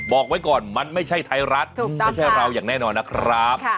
บอกไว้ก่อนมันไม่ใช่ไทยรัฐไม่ใช่เราอย่างแน่นอนนะครับ